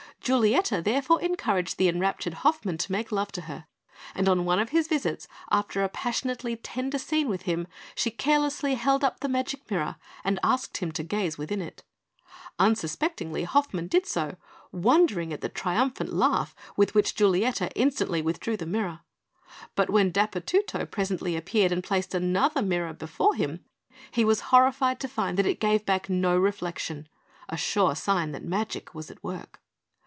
Giulietta therefore encouraged the enraptured Hoffmann to make love to her; and on one of his visits, after a passionately tender scene with him, she carelessly held up the magic mirror and asked him to gaze within it. Unsuspectingly, Hoffmann did so, wondering at the triumphant laugh with which Giulietta instantly withdrew the mirror; but when Dapurtutto presently appeared and placed another mirror before him, he was horrified to find that it gave back no reflection a sure sign that magic was at work.